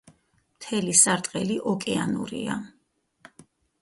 მთელი სარტყელი ოკეანურია.